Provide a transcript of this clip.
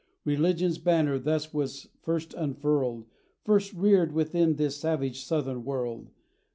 Religion's banner thus was first unfurled, First reared within this savage Southern world.